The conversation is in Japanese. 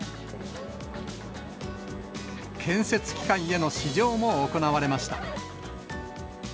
建設機械への試乗も行われました。